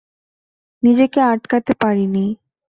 নিজেকে আটকাতে পারিনি।